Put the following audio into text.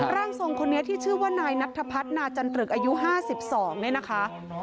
ร่างทรงคนนี้ที่ชื่อว่านายนัทพัฒนาจันตรึกอายุ๕๒เนี่ยนะคะ